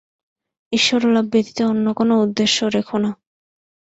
ঈশ্বরলাভ ব্যতীত অন্য কোন উদ্দেশ্য রেখ না।